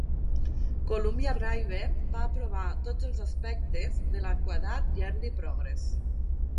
Columbia River va aprovar tots els aspectes de l'Adequate Yearly Progress.